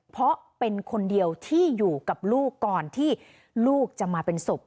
เพราะเป็นคนเดียวที่อยู่กับลูกก่อนที่ลูกจะมาเป็นศพ